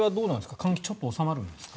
寒気、ちょっと収まるんですか？